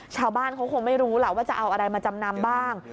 ชาวบ้านเขาคงไม่รู้ล่ะว่าจะเอาอะไรมาจำนำบ้าง